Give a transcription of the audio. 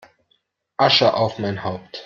Asche auf mein Haupt!